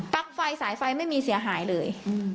ไฟสายไฟไม่มีเสียหายเลย